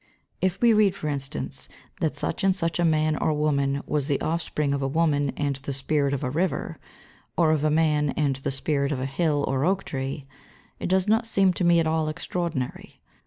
If we read, for instance, that such and such a man or woman was the offspring of a woman and the spirit of a river, or of a man and the spirit of a hill or oak tree, it does not seem to me at all extraordinary.